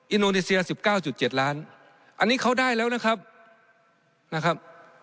อินโอนิเซียสิบเก้าจุดเจ็ดล้านอันนี้เขาได้แล้วนะครับนะครับ